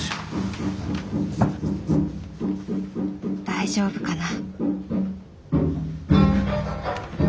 大丈夫かな？